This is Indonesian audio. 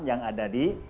yang ada di